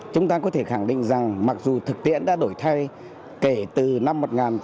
chúng ta có thể khẳng định rằng mặc dù thực tiễn đã đổi thay kể từ năm một nghìn tám trăm bốn mươi tám